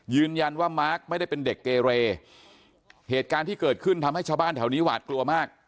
ยืนยันว่ามาร์คไม่ได้เป็นเด็กเกเรเหตุการณ์ที่เกิดขึ้นทำให้ชาวบ้านแถวนี้หวาดกลัวมาก